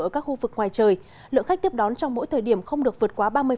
ở các khu vực ngoài trời lượng khách tiếp đón trong mỗi thời điểm không được vượt quá ba mươi